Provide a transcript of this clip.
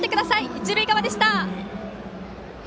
一塁側でした。